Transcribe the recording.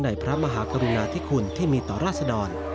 พระมหากรุณาธิคุณที่มีต่อราษดร